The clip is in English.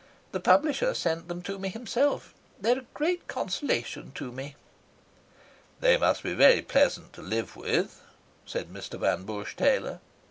The publisher sent them to me himself. They're a great consolation to me." "They must be very pleasant to live with," said Mr. Van Busche Taylor.